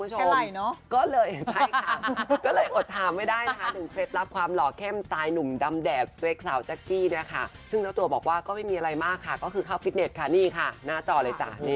เหรอแค่ไหล่เนอะคุณผู้ชมแบนมากคุณผู้ชม